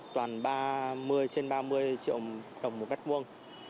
toàn ba mươi trên ba mươi triệu đồng một mét vuông